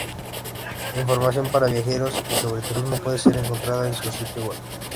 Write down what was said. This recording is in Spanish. Información para viajeros y sobre turismo puede ser encontrada en su sitio web.